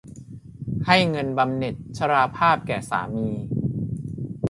ให้จ่ายเงินบำเหน็จชราภาพแก่สามี